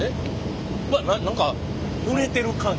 うわっ何かぬれてる感じ。